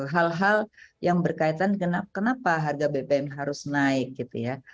hal hal yang berkaitan kenapa harga bbm harus naik gitu ya